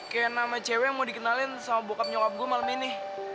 kayak nama cewek yang mau dikenaliin sama bokap nyokap gue malem ini